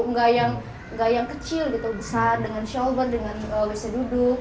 nggak yang kecil gitu besar dengan shower dengan bisa duduk